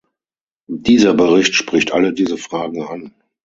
Dieser Bericht spricht alle diese Fragen an.